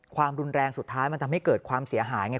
ความรุนแรงสุดท้ายมันทำให้เกิดความเสียหายไง